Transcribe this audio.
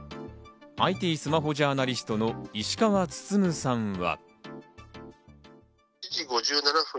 ＩＴスマホジャーナリストの石川温さんは。